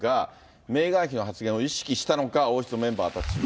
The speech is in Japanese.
メーガン妃の発言を意識したのか、王室のメンバーたちは。